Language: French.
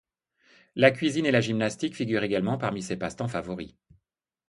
La cuisine et la gymnastique figurent également parmi ses passe-temps favoris.